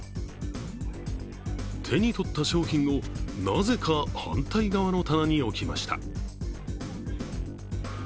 手に取った商品を、なぜか反対側の棚に置きました。